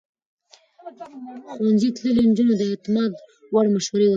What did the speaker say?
ښوونځی تللې نجونې د اعتماد وړ مشورې ورکوي.